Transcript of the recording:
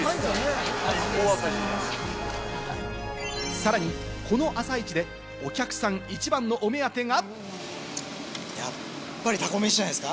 さらにこの朝市でお客さん一番のお目当てが。